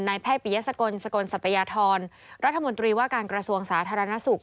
แพทย์ปิยสกลสกลสัตยธรรัฐมนตรีว่าการกระทรวงสาธารณสุข